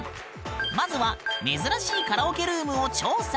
まずは「珍しいカラオケルーム」を調査！